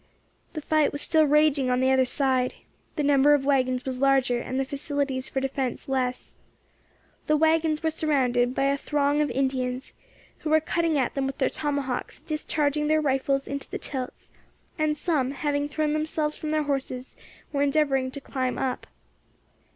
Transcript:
The fight was still raging on the other side. The number of waggons was larger, and the facilities for defence less. The waggons were surrounded by a throng of Indians, who were cutting at them with their tomahawks, discharging their rifles into the tilts, and some, having thrown themselves from their horses, were endeavouring to climb up.